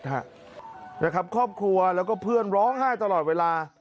ครอบครัวแล้วก็เพื่อนร้องไห้ตลอดเวลา